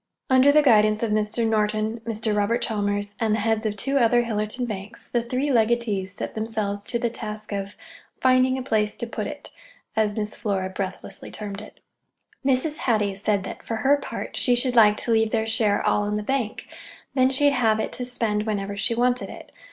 Under the guidance of Mr. Norton, Mr. Robert Chalmers, and the heads of two other Hillerton banks, the three legatees set themselves to the task of "finding a place to put it," as Miss Flora breathlessly termed it. Mrs. Hattie said that, for her part, she should like to leave their share all in the bank: then she'd have it to spend whenever she wanted it.